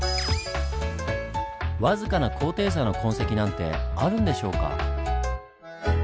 わずかな高低差の痕跡なんてあるんでしょうか。